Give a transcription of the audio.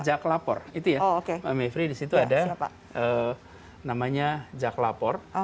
jak lapor itu ya pak mevry di situ ada namanya jak lapor